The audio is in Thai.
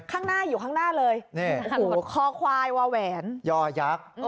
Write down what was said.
ข้างหน้าอยู่ข้างหน้าเลยนี่คอควายวาแหวนย่อยักษ์